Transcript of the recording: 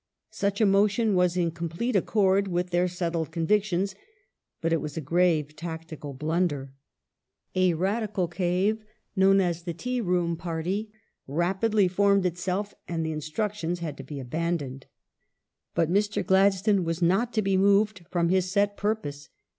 Such a motion was in complete accord with their settled convictions, but it was a grave tactical blunder. A Radical " cave ''— known as the " Tea room party "— rapidly formed itself, and the Instruction had to be abandoned. But Mr. Gladstone was not to be moved from his set purpose.